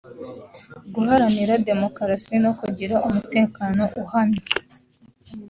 guharanira demokarasi no kugira umutekano uhamye